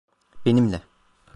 Benimle.